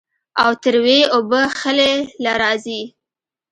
او تروې اوبۀ خلې له راځي